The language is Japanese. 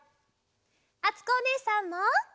あつこおねえさんも。